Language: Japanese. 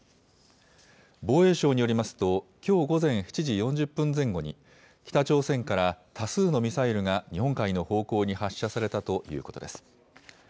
防衛省によりますと、きょう午前７時４０分前後に、北朝鮮から多数のミサイルが日本海の方向に発射されたということです。